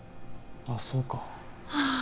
あっそうかああ